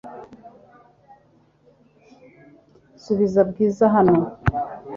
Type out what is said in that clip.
Subiza Bwiza hano .